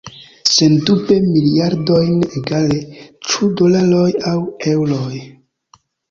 Sendube miliardojn – egale, ĉu dolaroj aŭ eŭroj.